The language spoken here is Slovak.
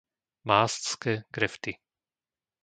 Mástske grefty